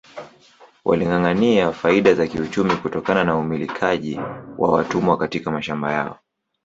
Walingâangâania faida za kiuchumi kutokana na umilikaji wa watumwa katika mashamba yao